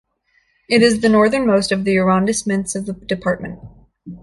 It is the northernmost of the arrondissements of the department.